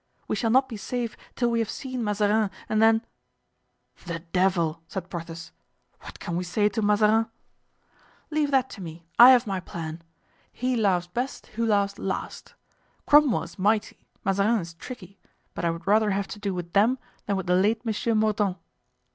We shall not be safe till we have seen Mazarin, and then——" "The devil!" said Porthos; "what can we say to Mazarin?" "Leave that to me—I have my plan. He laughs best who laughs last. Cromwell is mighty, Mazarin is tricky, but I would rather have to do with them than with the late Monsieur Mordaunt."